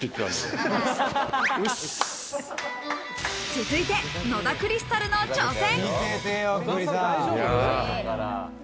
続いて、野田クリスタルの挑戦。